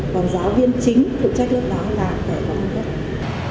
còn giáo viên chính phụ trách lớp đó là tại hòa trường